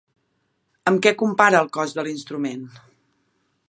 Amb què compara el cost de l'instrument?